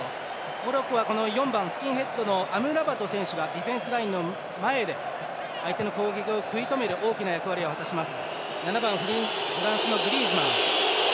モロッコは４番、スキンヘッドのアムラバト選手がディフェンスラインの前で相手の攻撃を食い止める大きな役割を果たします。